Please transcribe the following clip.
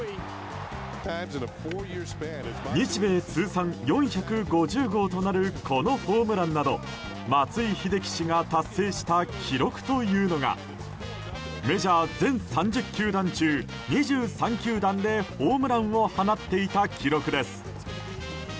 日米通算４５０号となるこのホームランなど松井秀喜氏が達成した記録というのがメジャー全３０球団中２３球団でホームランを放っていた記録です。